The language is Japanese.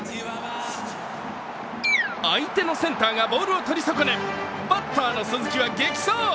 相手のセンターがボールを取り損ね、バッターの鈴木は激走。